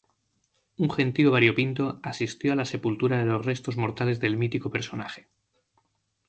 Un gentío variopinto asistió a la sepultura de los restos mortales del mítico personaje.